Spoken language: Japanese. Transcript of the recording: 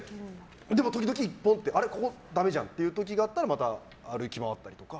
でも時々、ここダメじゃんっていう時があったらまた歩き回ったりとか。